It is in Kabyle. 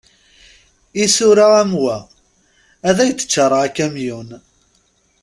Isura am wa, ad ak-d-ččareɣ akamyun.